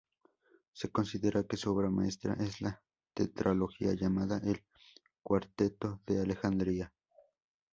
Se considera que su obra maestra es la tetralogía llamada "El cuarteto de Alejandría".